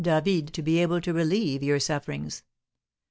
David to be able to relieve your sufferings.